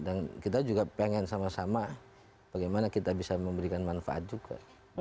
dan kita juga pengen sama sama bagaimana kita bisa memberikan manfaat juga